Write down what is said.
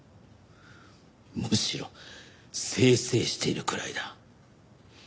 むしろ清々しているくらいだ。